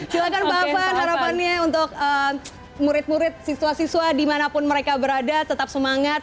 silahkan pak afan harapannya untuk murid murid siswa siswa dimanapun mereka berada tetap semangat